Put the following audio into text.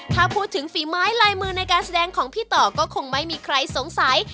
ถ้าพูดถึงฝีไม้ลายมือในการแสดงของพี่ต่อก็คงไม่มีใครสงสัย